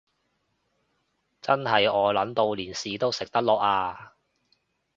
真係餓 𨶙 到連屎都食得落呀